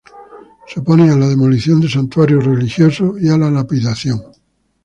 Se oponen a la demolición de santuarios religiosos y a la lapidación.